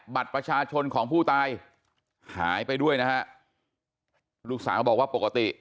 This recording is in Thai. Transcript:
บัตรประชาชนของผู้ตายหายไปด้วยนะฮะลูกสาวบอกว่าปกติ